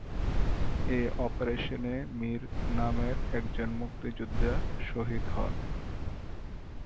এ অপারেশনে মীর নামের একজন মুক্তিযোদ্ধা শহীদ হন।